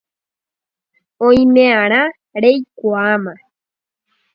Oime'arã reikuaáma